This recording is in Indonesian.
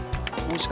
ini sekarang siapa